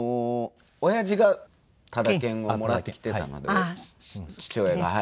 親父がタダ券をもらってきていたので父親が。